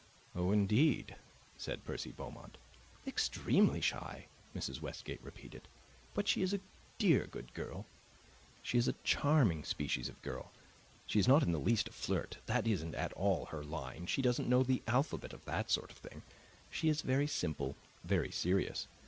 "Oh, indeed!" said Percy Beaumont. "Extremely shy," Mrs. Westgate repeated. "But she is a dear good girl; she is a charming species of girl. She is not in the least a flirt; that isn't at all her line; she doesn't know the alphabet of that sort of thing. She is very simple, very serious.